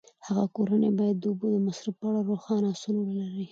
هره کورنۍ باید د اوبو د مصرف په اړه روښانه اصول ولري.